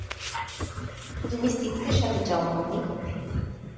তুমি সিক্সের সাথে যাও, মামণি।